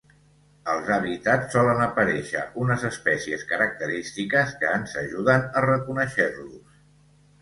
Als hàbitats solen aparèixer unes espècies característiques que ens ajuden a reconèixer-los.